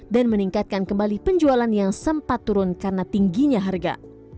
dan meningkatkan kembali penjualan yang sempat turun karena tingginya harga